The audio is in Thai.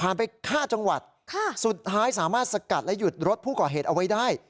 นี่ค่ะสุดท้ายสามารถสกัดและหยุดรถผู้ก่อเหตุเอาไว้ได้